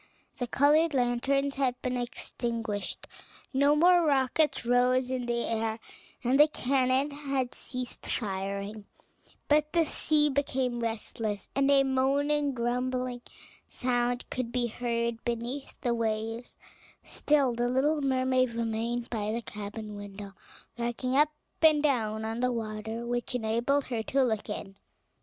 The colored lanterns had been extinguished, no more rockets rose in the air, and the cannon had ceased firing; but the sea became restless, and a moaning, grumbling sound could be heard beneath the waves: still the little mermaid remained by the cabin window, rocking up and down on the water, which enabled her to look in.